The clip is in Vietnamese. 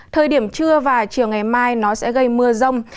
thời điểm trưa và chiều ngày mai nó sẽ gây mưa rông